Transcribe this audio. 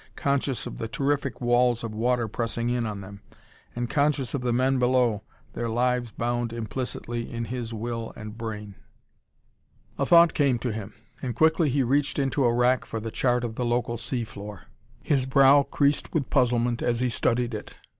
Conscious of the terrific walls of water pressing in on them. And conscious of the men below, their lives bound implicitly in his will and brain.... A thought came to him, and quickly he reached into a rack for the chart of the local sea floor. His brow creased with puzzlement as he studied it.